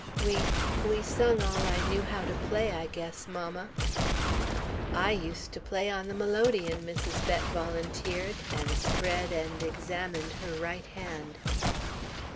"We we sung all I knew how to play, I guess, mamma." "I use' to play on the melodeon," Mrs. Bett volunteered, and spread and examined her right hand.